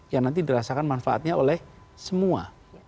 yang nanti dirasakan manfaatnya oleh semua